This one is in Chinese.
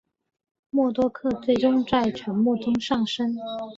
默多克最终在沉没中丧生。